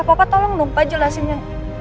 papa tolong lupa jelasinnya